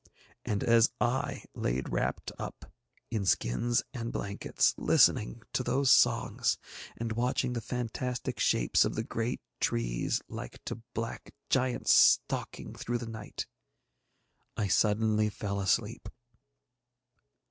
And as I lay wrapped up in skins and blankets, listening to those songs, and watching the fantastic shapes of the great trees like to black giants stalking through the night, I suddenly fell asleep.